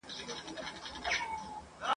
د نارینه د درنښت او لوړتابه پیل